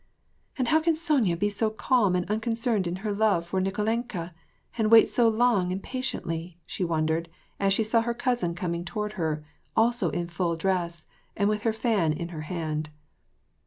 " And how can Sonya be so calm and unconcerned in her love for Nikolenka, and wait so long and patiently ?" she wondered, as she saw her cousin coming toward her, also in full dress, and with her fan in her hand.